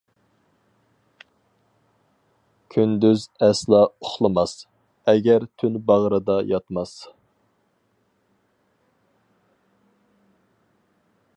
كۈندۈز ئەسلا ئۇخلىماس، ئەگەر تۈن باغرىدا ياتماس.